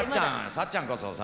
幸っちゃんこそさ。